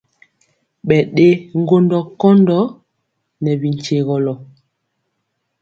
Ɓɛ ɗe ŋgondɔ nkɔndɔ nɛ binkyegɔlɔ.